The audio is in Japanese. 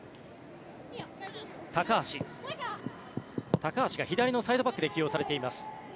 高橋が左のサイドバックで起用されています。